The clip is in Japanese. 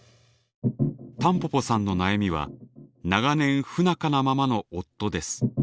たんぽぽさんの悩みは長年不仲なままの夫です。